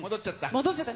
戻っちゃった。